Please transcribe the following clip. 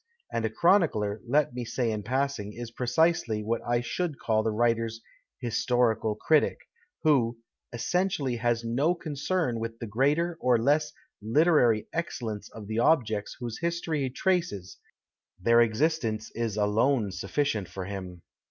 (And a chronicler, let me say in passing, is precisely what I should call the writer's " historical critic "— who " essentially has no concern with the greater or less literary excellence of the objects whose history he traces — their existence is alone sudieient for him.")